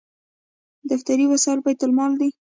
دفتري وسایل بیت المال دي